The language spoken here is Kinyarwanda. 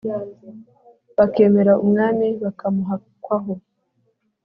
bakemera umwami bakamuhakwaho